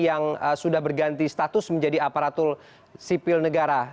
yang sudah berganti status menjadi aparatur sipil negara